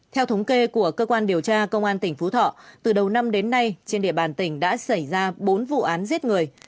theo thống kê của cơ quan điều tra công an tỉnh phú thọ từ đầu năm đến nay trên địa bàn tỉnh đã xảy ra bốn vụ án giết người